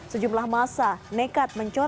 sejumlah masa nekat mencoret